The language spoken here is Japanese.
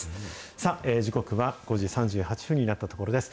さあ、時刻は５時３８分になったところです。